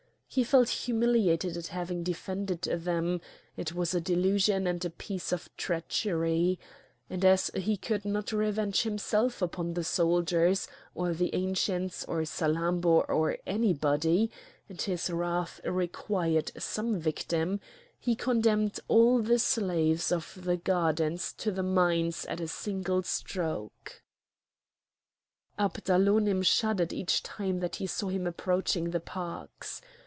He felt humiliated at having defended them; it was a delusion and a piece of treachery; and as he could not revenge himself upon the soldiers, or the Ancients, or Salammbô, or anybody, and his wrath required some victim, he condemned all the slaves of the gardens to the mines at a single stroke. Abdalonim shuddered each time that he saw him approaching the parks.